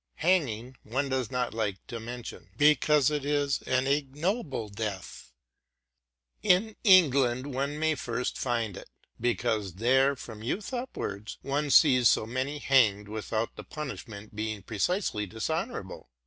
Hanging, one does not like to mention, because it is an ignoble death. In England it is more likely to occur ; because there, from youth upwards, one sees so many hanged, without the punishment being precisely dis honorable.